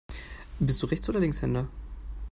Bist du Rechts- oder Linkshänder?